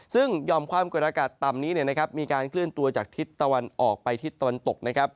ซึ่งหย่อมความกดอากาศต่ำนี้มีการเคลื่อนตัวจากทิศตะวันออกไปทิศตะวันตกนะครับ